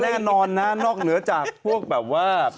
แน่นอนนะนอกเหนือจากพวกแบบว่า